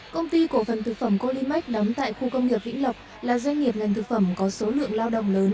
công ty cổ phần thực phẩm colimex đóng tại khu công nghiệp vĩnh lộc là doanh nghiệp ngành thực phẩm có số lượng lao động lớn